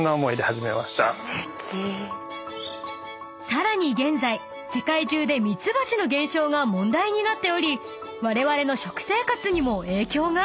［さらに現在世界中でミツバチの減少が問題になっておりわれわれの食生活にも影響が］